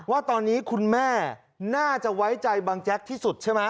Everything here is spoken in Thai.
ว่าตอนนี้คุณแม่น่าจะไว้ใจบังแจ๊กที่สุดใช่ไหม